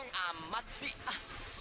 berisik amat sih